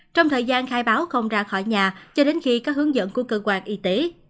trong thời gian khai báo không ra khỏi nhà cho đến khi có hướng dẫn của cơ quan y tế